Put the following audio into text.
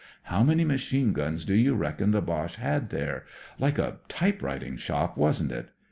How many machme guns do you reckon the Boche had there? Like a typewriting shop, wasn't it